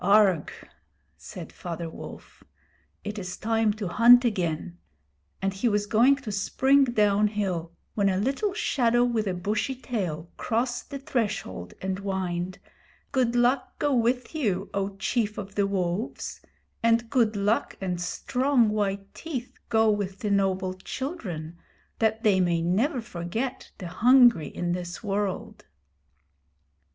'Augrh!' said Father Wolf, 'it is time to hunt again'; and he was going to spring down hill when a little shadow with a bushy tail crossed the threshold and whined: 'Good luck go with you, O Chief of the Wolves; and good luck and strong white teeth go with the noble children, that they may never forget the hungry in this world.'